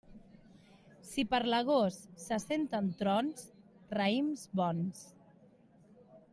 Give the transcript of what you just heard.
Si per l'agost se senten trons, raïms bons.